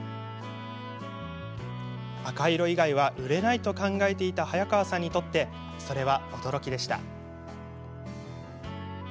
赤色以外は売れないと考えていた早川さんにとってそれは驚きでした。